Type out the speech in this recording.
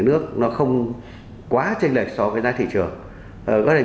nhà nước không quá tranh lệch so với giá thị trường